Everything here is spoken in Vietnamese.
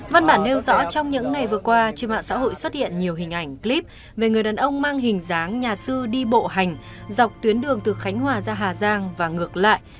văn bản nêu rõ trong những ngày vừa qua trên mạng xã hội xuất hiện nhiều hình ảnh clip về người đàn ông mang hình dáng nhà sư đi bộ hành dọc tuyến đường từ khánh hòa ra hà giang và ngược lại